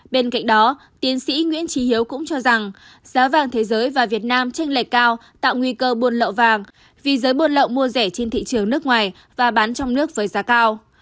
bên cạnh đó tiến sĩ nguyễn trí hiếu cũng cho rằng giá vàng thế giới và việt nam tranh lệch cao tạo nguy cơ buôn lậu vàng vì giới buôn lậu mua rẻ trên thị trường nước ngoài và bán trong nước với giá cao